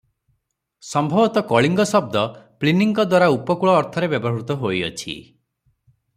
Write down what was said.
ସମ୍ଭବତଃ କଳିଙ୍ଗ ଶବ୍ଦ ପ୍ଳିନିଙ୍କଦ୍ୱାରା ଉପକୂଳ ଅର୍ଥରେ ବ୍ୟବହୃତ ହୋଇଅଛି ।